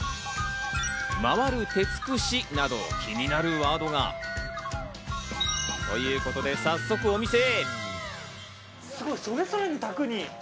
回る鉄串！！など気になるワードが。ということで、早速、お店へ。